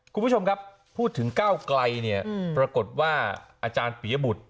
คุณผู้ชมครับพูดถึงก้าวไกลเนี่ยปรากฏว่าอาจารย์ปียบุตร